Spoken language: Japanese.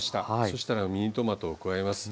そしたらミニトマトを加えます。